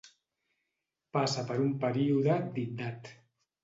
Passa per un període d'iddat.